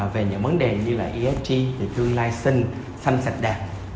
về những vấn đề như là esg thương lai sinh xanh sạch đẹp